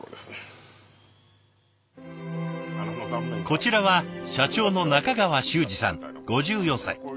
こちらは社長の中川周士さん５４歳。